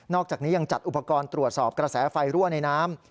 อกจากนี้ยังจัดอุปกรณ์ตรวจสอบกระแสไฟรั่วในน้ำ